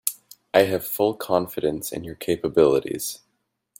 I have full confidence in your capabilities.